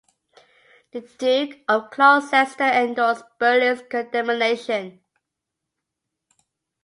The Duke of Gloucester endorsed Burley's condemnation.